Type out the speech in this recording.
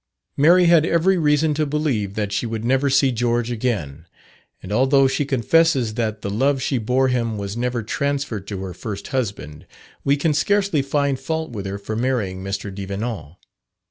Mary had every reason to believe that she would never see George again; and although she confesses that the love she bore him was never transferred to her first husband, we can scarcely find fault with her for marrying Mr. Devenant.